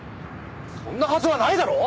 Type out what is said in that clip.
そんなはずはないだろう！